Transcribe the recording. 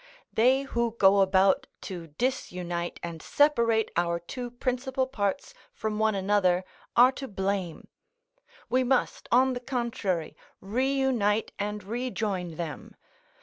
They who go about to disunite and separate our two principal parts from one another are to blame; we must, on the contrary, reunite and rejoin them.